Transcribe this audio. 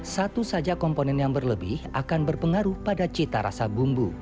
satu saja komponen yang berlebih akan berpengaruh pada cita rasa bumbu